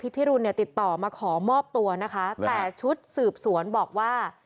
ก็ประมาณว่าเขาไปบอกย้ำว่าเขาขอเบิดปืนไปกัน